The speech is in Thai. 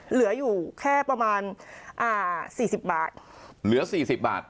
เหลืออยู่แค่ประมาณอ่าสี่สิบบาทเหลือสี่สิบบาท